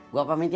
gua pamit ya